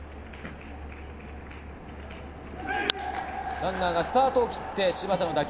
ランナーがスタートを切って、柴田の打球。